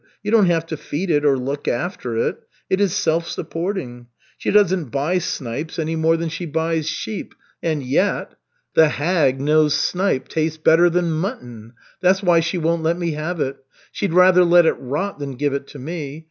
You don't have to feed it or look after it. It is self supporting. She doesn't buy snipes any more than she buys sheep and yet! The hag knows snipe tastes better than mutton. That's why she won't let me have it. She'd rather let it rot than give it to me.